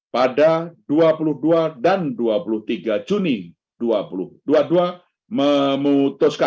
pada dua puluh dua dan dua puluh tiga juni dua ribu dua puluh dua memutuskan